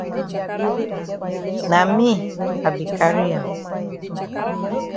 Na me I be carry am.